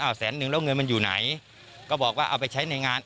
แสนนึงแล้วเงินมันอยู่ไหนก็บอกว่าเอาไปใช้ในงาน